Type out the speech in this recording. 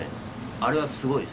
あれはすごいです。